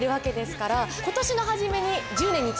今年の初めに。